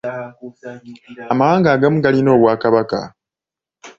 Amawanga agamu galina obw'akabaka.